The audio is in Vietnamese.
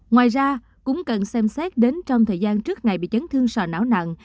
ngoài ra cũng cần xem xét đến trong thời gian trước ngày bị chấn thương sò não nặng